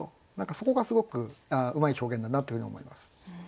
そこがすごくうまい表現だなというふうに思います。